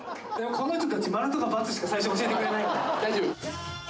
この人たちマルとかバツしか最初教えてくれない。